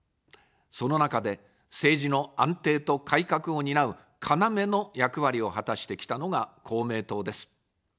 その中で、政治の安定と改革を担う要の役割を果たしてきたのが公明党です。